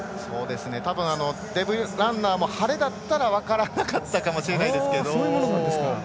デプルンナーも晴れだったら分からなかったかもしれないですが。